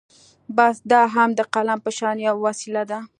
بس دا هم د قلم په شان يوه وسيله ده.